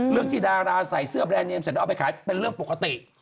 ที่ดาราใส่เสื้อแบรนดเนมเสร็จแล้วเอาไปขายเป็นเรื่องปกติ